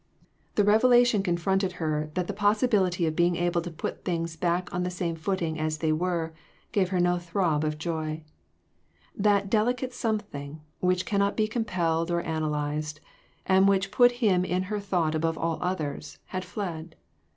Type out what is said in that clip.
The revelation confronted her that THREE OF US. 387 the possibility of being able to put things back on the same footing as they were, gave her no throb of joy. That delicate something which cannot be compelled or analyzed, and which put him in her thought above all others, had fled.